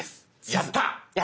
やった！